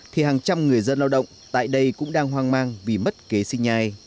thì hàng trăm người dân lao động tại đây cũng đang hoang mang vì mất kế sinh nhai